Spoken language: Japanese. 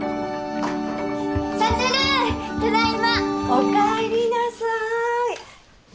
おかえりなさい。